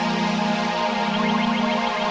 tidak ada bucinan iri